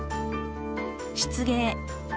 漆芸。